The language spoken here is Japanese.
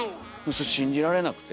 それ信じられなくて。